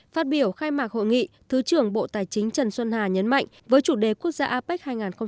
phát biểu khai mạc hội nghị thứ trưởng bộ tài chính trần xuân hà nhấn mạnh với chủ đề quốc gia apec hai nghìn hai mươi